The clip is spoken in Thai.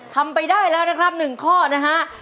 ทำไปได้แล้วนะครับ๑ข้อนะฮะ